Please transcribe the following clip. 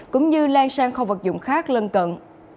cũng như lan sang kho vật dụng khác lân cận